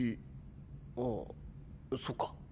あっそっか。